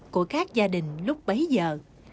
của các gia đình lúc bấy giờ